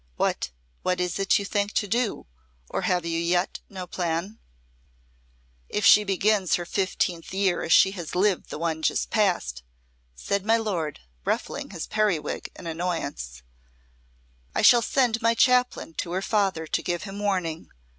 "What what is it you think to do or have you yet no plan?" "If she begins her fifteenth year as she has lived the one just past," said my lord, ruffling his periwig in his annoyance, "I shall send my Chaplain to her father to give him warning.